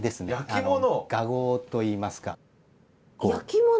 雅号といいますか。